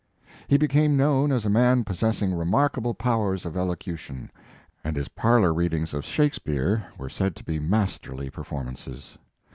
He became known as a man possessing remarkable powers of elocu tion, and his parlor readings of Shake speare were said to be masterly perform ances.